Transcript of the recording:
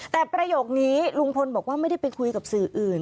แต่ประโยคนี้ลุงพลบอกว่าไม่ได้ไปคุยกับสื่ออื่น